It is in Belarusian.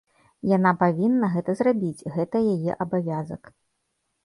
Яна павінна гэта зрабіць, гэта яе абавязак.